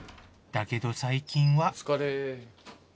だけど最近はお疲れ。